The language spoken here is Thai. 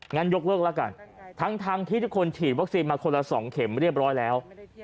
งั้นยกเลิกแล้วกันทั้งที่ทุกคนฉีดวัคซีนมาคนละ๒เข็มเรียบร้อยแล้ว